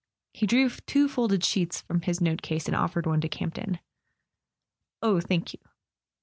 He drew two folded sheets from his note case, and offered one to Camp ton. "Oh, thank you."